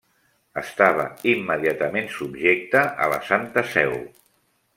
Estava immediatament subjecta a la Santa Seu.